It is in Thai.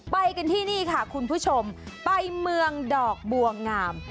ไปกันที่นี่ค่ะคุณผู้ชมไปเมืองดอกบัวงาม